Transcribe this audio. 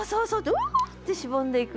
うってしぼんでいく。